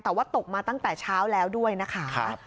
แต่ว่าตกมาตั้งแต่เช้าแล้วด้วยนะคะ